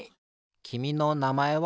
きみのなまえは？